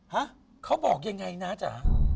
ฮะเขาบอกยังไงนะจ๊ะ